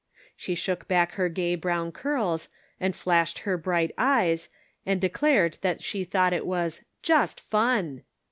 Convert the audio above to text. She shook back her gay brown curls, and flashed her bright eyes, and declared that she thought it was "just fun."